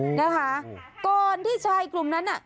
นะคะก่อนที่ชายกลุ่มนั้นน่ะ